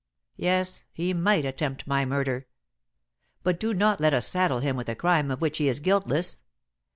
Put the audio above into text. Yes, he might attempt my murder. But do not let us saddle him with a crime of which he is guiltless.